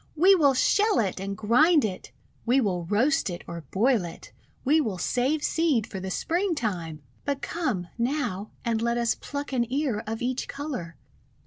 We will shell it and grind it! We will roast it or boil it! We will save seed for the Springtime! "But come, now, and let us pluck an ear of each colour.